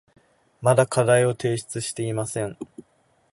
まだ課題を提出していません。